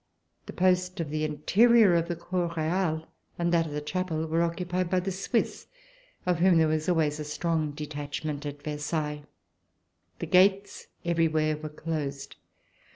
The post of the interior of the Cour Royale and that of the Chapel were occupied by the Swiss, of whom there was always a strong detachment at Versailles. The gates everywhere were closed.